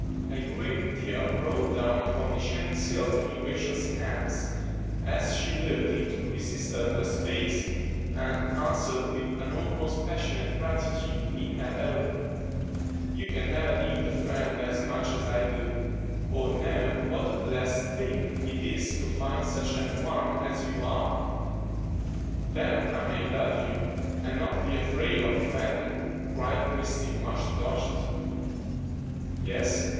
A great tear rolled down upon the shining silk in Rachel's hands as she looked into Christie's earnest face, and answered with an almost passionate gratitude in her own: "You can never need a friend as much as I do, or know what a blessed thing it is to find such an one as you are." "Then I may love you, and not be afraid of offending?" cried Christie, much touched. "Yes.